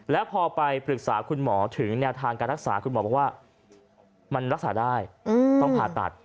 แล้วพอไปปรึกษาคุณหมอถึงแนวทางการรักษาคุณหมอบอกว่ามันรักษาได้ต้องผ่าตัด